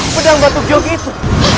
pedang batuk jogja itu